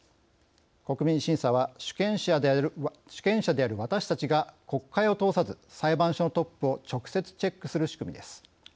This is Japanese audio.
国民審査は主権者である私たちが国会を通さず、裁判所のトップを直接チェックする仕組みです。